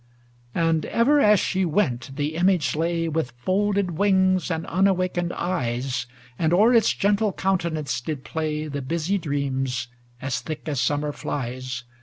XL And ever as she went, the Image lay With folded wings and unawakened eyes; And o'er its gentle countenance did play The busy dreams, as thick as summer flies..